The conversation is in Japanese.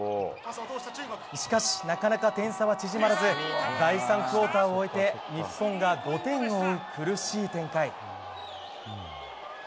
しかし、なかなか点差は縮まらず第３クオーターを終えて日本が５点を追う苦しい展開。